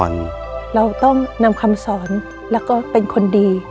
เราต้องนำคำสอนแล้วก็เป็นคนดี